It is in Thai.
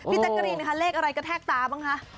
พี่จัดการีหลีกอะไรกระแทกตาบ้างคะ